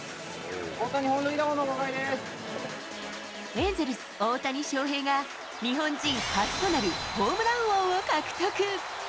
大谷、エンゼルス、大谷翔平が日本人初となるホームラン王を獲得。